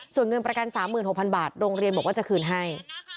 ส่วนเงินประกัน๓๖๐๐๐บาทโรงเรียนบอกว่าจะคืนให้